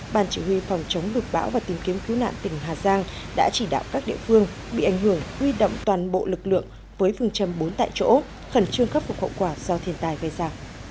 bàn chỉ huy phòng chống lụt bão và tìm kiếm cứu nạn tỉnh hà giang đã chỉ đạo các địa phương bị ảnh hưởng huy động toàn bộ lực lượng với phương châm bốn tại chỗ khẩn trương khắc phục hậu quả do thiên tài gây ra